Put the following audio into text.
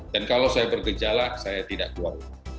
dan kalau saya bergejala saya tidak keluar rumah